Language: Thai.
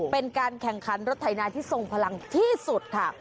เป็นการแข่งขันรถไถนาที่ทรงพลังที่สุดค่ะ